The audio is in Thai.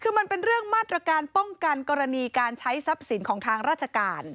คือมันเป็นเรื่องมาตรการป้องกันกรณีการใช้ทรัพย์สินของทางราชการ